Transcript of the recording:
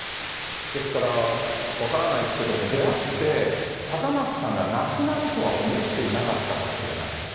ですから、分からないですけども、出会って、坂巻さんが亡くなるとは思っていなかったかもしれない。